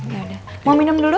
ya udah mau minum dulu